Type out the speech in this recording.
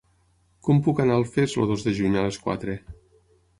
Com puc anar a Alfés el dos de juny a les quatre?